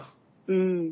うん。